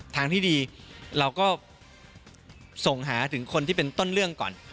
ทางที่ดีเราก็ส่งหาถึงคนที่เป็นต้นเรื่องก่อน